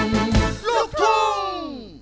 ลูกทุ่ง